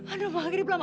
aduh mageri belakang